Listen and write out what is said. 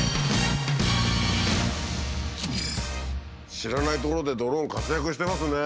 知らないところでドローン活躍してますね。